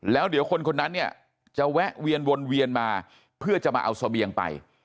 แล้วเดี๋ยวคนคนนั้นเนี่ยจะแวะเวียนวนเวียนมาเพื่อจะมาเอาเสบียงไป